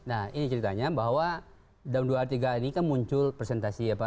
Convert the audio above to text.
nah ini ceritanya bahwa dalam dua hari tiga ini kan muncul presentasi apa